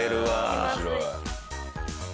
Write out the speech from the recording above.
面白い。